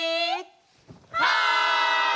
はい！